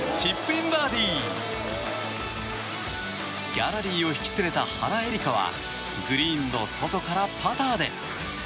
ギャラリーを引き連れた原英莉花はグリーンの外からパターで。